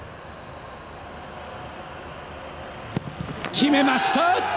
決めました！